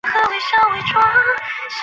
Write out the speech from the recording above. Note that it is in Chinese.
近亲长臂蟹为玉蟹科长臂蟹属的动物。